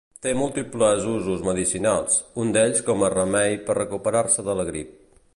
Té múltiples usos medicinals, un d'ells com a remei per recuperar-se de la grip.